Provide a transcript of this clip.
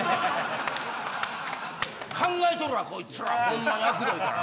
考えとるわこいつらホンマにあくどいから。